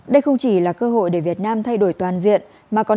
đây không chỉ là cơ hội để việt nam thay đổi toàn diện